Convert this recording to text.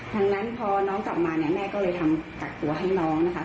ดังนั้นพอน้องกลับมาเนี่ยแม่ก็เลยทำกักตัวให้น้องนะคะ